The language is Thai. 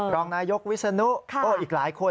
รองนายกวิศนุอีกหลายคน